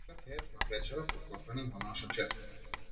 Тука пеев на вечера подготвена во наша чест.